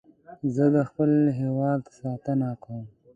زه د خپل هېواد ساتنه کوم